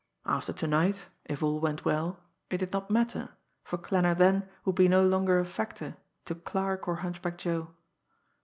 After to night if all went well it did not matter, for Klanner then would be no longer a factor to Clarke or Hunchback Joe!